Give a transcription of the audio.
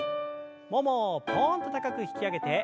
ももをぽんと高く引き上げて。